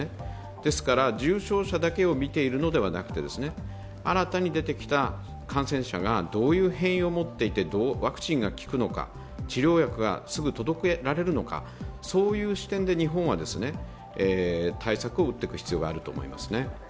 ですから重症者だけを見るのではなく新たに出てきた感染者がどういう変異を持っていて、ワクチンが効くのか治療薬がすぐ届くのか、そういう視点で日本は対策を打っていく必要があると思いますね。